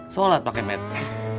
sholat pakai metri